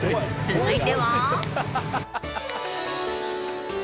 続いては。